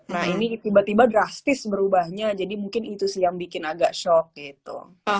nah ini tiba tiba drastis berubahnya jadi mungkin itu sih yang bikin agak shock gitu